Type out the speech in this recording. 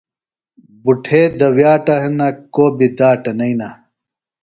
بُٹھے دوِیاٹہ ہِنہ کو بیۡ داٹہ نئینہ۔